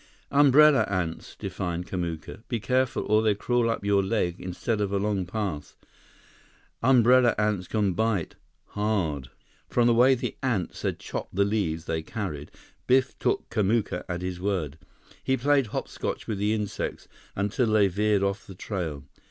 "Umbrella ants," defined Kamuka. "Be careful or they crawl up your leg instead of along path. Umbrella ants can bite—hard!" From the way the ants had chopped the leaves they carried, Biff took Kamuka at his word. He played hopscotch with the insects until they veered off the trail.